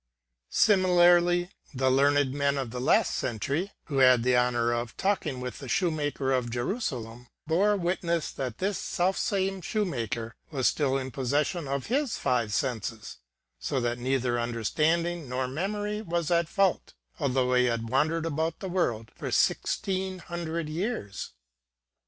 Similarly, the learned men of the last century who had the honor of talking with the Shoemaker of Jerusalem bore witness that this self same shoemaker was still in full possession of his five senses; so that neither understanding nor memory was at fault, although he had wandered about the world for sixteen hundred years.